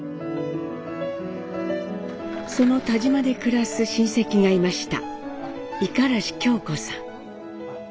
その田島で暮らす親戚がいました。